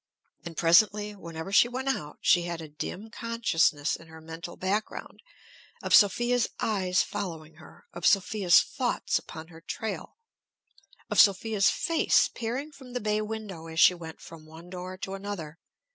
And presently, whenever she went out, she had a dim consciousness in her mental background of Sophia's eyes following her, of Sophia's thoughts upon her trail, of Sophia's face peering from the bay window as she went from one door to another.